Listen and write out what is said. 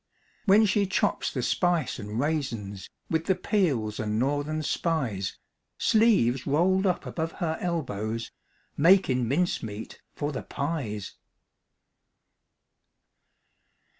When she chops the spice an' raisins, With the peels an' Northern Spies, Sleeves rolled up above her elbows, Makin' mincemeat for the pies.